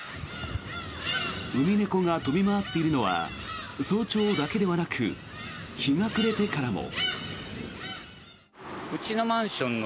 ウミネコが飛び回っているのは早朝だけではなく日が暮れてからも。